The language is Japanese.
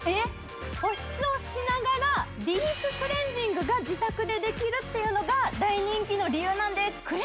保湿をしながらディープクレンジングが自宅でできるというのが大人気の理由なんです。